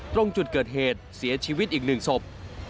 ตรงจุดเกิดเหตุเสียชีวิตอีก๑ศพ